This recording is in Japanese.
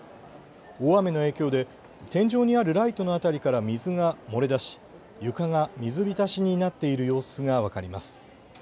大雨の影響で天井にあるライトの辺りから水が漏れ出し床が水浸しになっている様子が分かります。